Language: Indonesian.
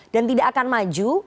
dan tidak akan maju